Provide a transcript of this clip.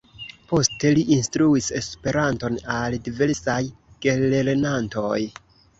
Poste, li instruis Esperanton al diversaj gelernantoj.